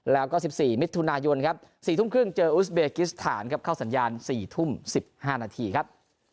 แล้วก็๑๔มิถุนายนครับ๔ทุ่มครึ่งเจออุสเบกิสถานครับเข้าสัญญาณ๔ทุ่ม๑๕นาทีครับ